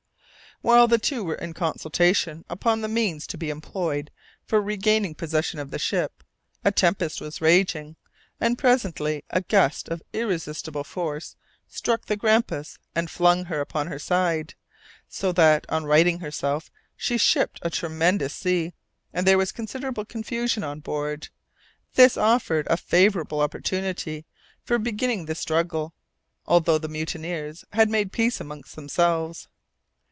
While the two were in consultation upon the means to be employed for regaining possession of the ship, a tempest was raging, and presently a gust of irresistible force struck the Grampus and flung her upon her side, so that on righting herself she shipped a tremendous sea, and there was considerable confusion on board. This offered a favourable opportunity for beginning the struggle, although the mutineers had made peace among themselves.